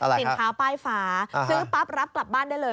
สินค้าป้ายฟ้าซื้อปั๊บรับกลับบ้านได้เลย